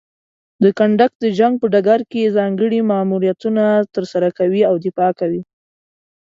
کنډک د جنګ په ډګر کې ځانګړي ماموریتونه ترسره کوي او دفاع کوي.